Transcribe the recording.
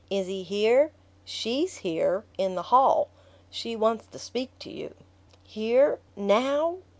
Is he here?" "SHE'S here: in the hall. She wants to speak to you." "Here NOW?"